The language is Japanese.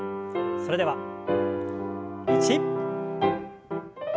それでは１。